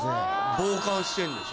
防寒してんでしょ。